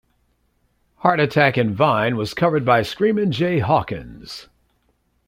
"Heartattack and Vine" was covered by Screamin' Jay Hawkins.